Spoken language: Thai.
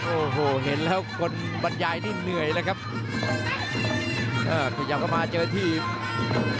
โอ้โหเห็นแล้วคนบรรยายนี่เหนื่อยเลยครับอ่าขยับเข้ามาเจอที่